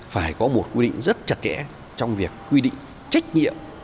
phải có một quy định rất chặt kẽ trong việc quy định trách nhiệm